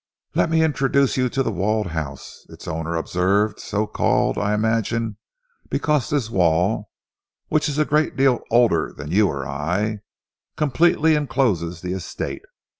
"Let me introduce you to The Walled House," its owner observed, "so called, I imagine, because this wall, which is a great deal older than you or I, completely encloses the estate.